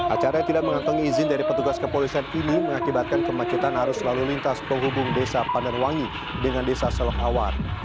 acara yang tidak mengantongi izin dari petugas kepolisian ini mengakibatkan kemacetan arus lalu lintas penghubung desa pandanwangi dengan desa selonghawar